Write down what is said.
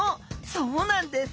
そうなんです！